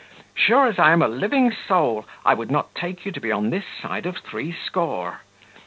Sure as I am a living soul, one would take you to be on this side of threescore.